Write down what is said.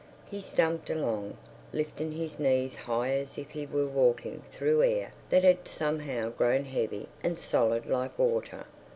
He stumped along, lifting his knees high as if he were walking through air that had somehow grown heavy and solid like water.